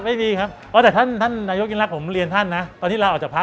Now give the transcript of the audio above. ไม่มีนะครับแต่ท่านนายกิ้นลักษณ์ผมเรียนท่านนะตอนที่ลาออกจากพัก